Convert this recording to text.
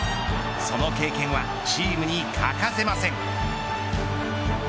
その経験はチームに欠かせません。